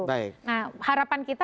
nah harapan kita kan ini